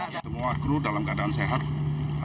semua kru dalam keadaan sehat